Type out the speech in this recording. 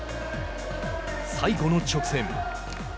最後の直線。